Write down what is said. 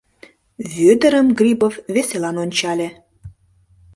— Вӧдырым Грибов веселан ончале.